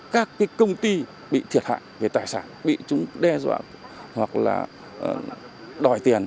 các cái công ty bị thiệt hại về tài sản bị chúng đe dọa hoặc là đòi tiền